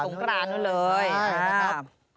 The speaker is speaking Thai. ตรงกรานด้วยเลยครับใช่ครับ